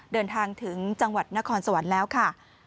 เดินทางถึงจังหวัดนครสวรรค์แล้วค่ะ